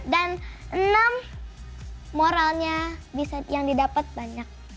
dan enam moralnya bisa yang didapat banyak